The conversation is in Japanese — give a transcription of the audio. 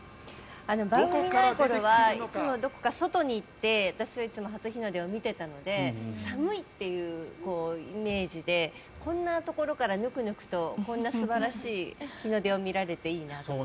番組がない頃はいつも外に行って私はいつも初日の出を見ていたので寒いというイメージでこんなところからぬくぬくとこんな素晴らしい日の出を見られていいなって。